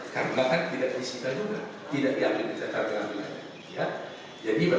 karena kan tidak disita juga